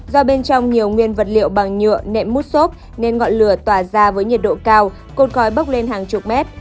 do bên trong nhiều nguyên vật liệu bằng nhựa nệm mút xốp nên ngọn lửa tỏa ra với nhiệt độ cao cột khói bốc lên hàng chục mét